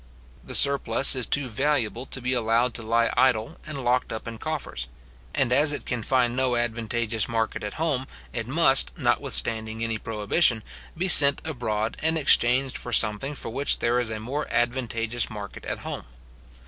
The surplus is too valuable to be allowed to lie idle and locked up in coffers; and as it can find no advantageous market at home, it must, notwithstanding; any prohibition, be sent abroad, and exchanged for something for which there is a more advantageous market at home.